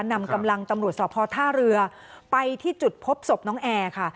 นำกำลังตำรวจสอบพอท่าเรือไปที่จุดพบศพน้องแอร์ค่ะ